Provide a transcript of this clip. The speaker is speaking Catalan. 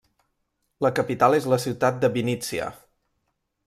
La capital és la ciutat de Vínnitsia.